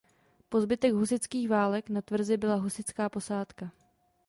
Po zbytek husitských válek na tvrzi byla husitská posádka.